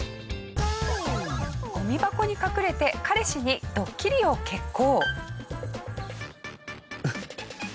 ゴミ箱に隠れて彼氏にドッキリを決行。